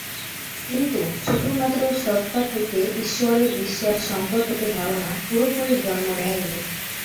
কিন্তু শুধুমাত্র সত্তা থেকে ঈশ্বরে বিশ্বাস সম্পর্কিত ধারণা পুরোপুরি জন্ম নেয় নি।